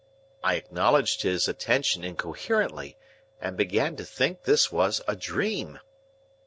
I acknowledged his attention incoherently, and began to think this was a dream.